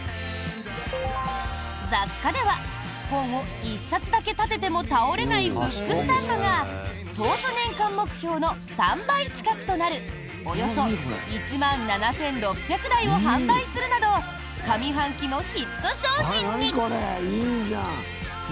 雑貨では本を１冊だけ立てても倒れないブックスタンドが当初年間目標の３倍近くとなるおよそ１万７６００台を販売するなど上半期のヒット商品に！